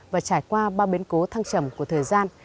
và trải qua ba bến cố thăng trầm của thời gian